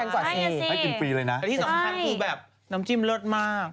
ที่สองขั้นคือแบบน้ำจิ้มเลิศมาก